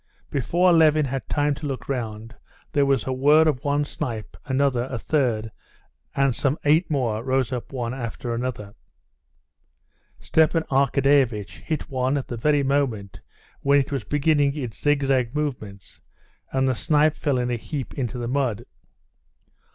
Before Levin had time to look round, there was the whir of one snipe, another, a third, and some eight more rose one after another. Stepan Arkadyevitch hit one at the very moment when it was beginning its zigzag movements, and the snipe fell in a heap into the mud.